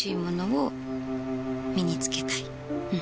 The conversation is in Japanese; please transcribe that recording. うん。